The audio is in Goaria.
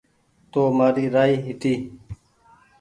تو مآري رآئي هيتي